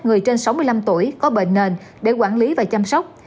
người trên sáu mươi năm tuổi có bệnh nền để quản lý và chăm sóc